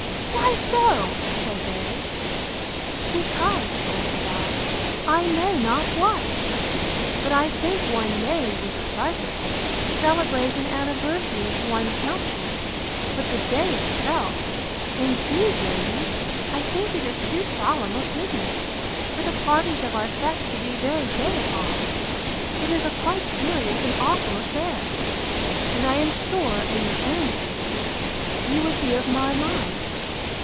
—Why so? said they.—Because, answered I—I know not what! But I think one may, with pleasure, celebrate an anniversary of one's nuptials; but the day itself—Indeed, ladies, I think it is too solemn a business, for the parties of our sex to be very gay upon: it is a quite serious and awful affair: and I am sure, in your own cases, you would be of my mind.